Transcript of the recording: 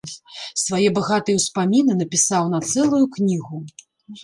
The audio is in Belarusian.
Свае багатыя ўспаміны напісаў на цэлую кнігу.